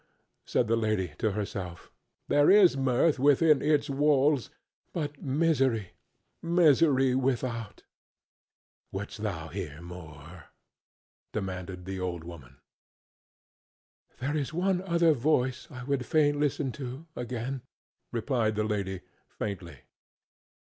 said the lady to herself; "there is mirth within its walls, but misery, misery without." "Wouldst thou hear more?" demanded the old woman. "There is one other voice I would fain listen to again," replied the lady, faintly.